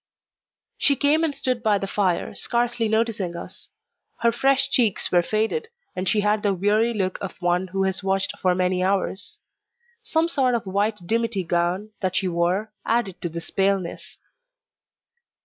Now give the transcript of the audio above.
She came and stood by the fire, scarcely noticing us. Her fresh cheeks were faded, and she had the weary look of one who has watched for many hours. Some sort of white dimity gown that she wore added to this paleness.